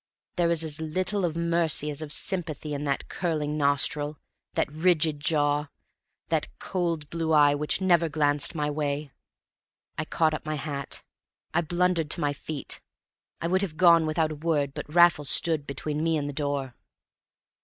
There was as little of mercy as of sympathy in that curling nostril, that rigid jaw, that cold blue eye which never glanced my way. I caught up my hat. I blundered to my feet. I would have gone without a word; but Raffles stood between me and the door.